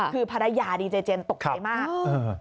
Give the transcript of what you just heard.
คือภรรยาดีเจเจมสตกใจมาก